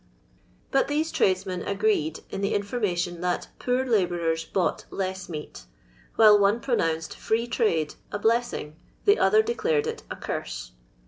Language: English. But these tradesmen agreed in the information that poor Ubourers bought less meat, while one pronounced Free Trade a blessing, the other de clared it a curse.